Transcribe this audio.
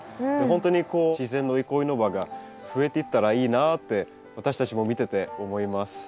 ほんとにこう自然の憩いの場が増えていったらいいなって私たちも見てて思います。